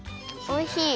おいしい！